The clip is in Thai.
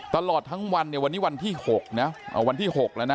ตลอดทั้งวันเนี้ยวันนี้วันที่หกเนี้ยอ่าวันที่หกแล้วนะ